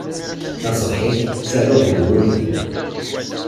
Taṣebḥit, ttaruɣ deg wurti.